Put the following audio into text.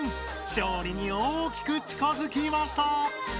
勝利に大きくちかづきました！